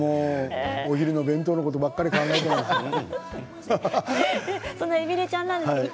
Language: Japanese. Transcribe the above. お昼の弁当のことばかり考えてしまってね。